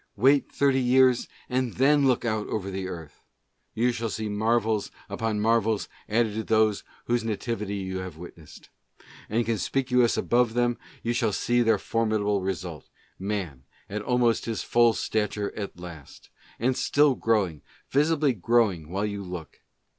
Wait thirty years, and then look out over the earth ! You shall see marvels upon marvels added to these whose nativity you have witnessed ; and conspicuous above them you shall see their for midable Result — Man at almost his full stature at last !— and still growing, visibly growing, while you look.